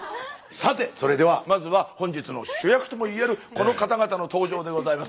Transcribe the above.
さてそれではまずは本日の主役とも言えるこの方々の登場でございます。